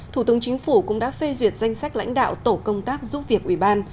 thủ tướng chính phủ cũng đã phê duyệt danh sách lãnh đạo tổ công tác giúp việc ủy ban